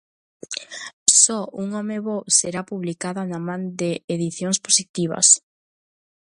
Só un home bo será publicada da man de Edicións Positivas.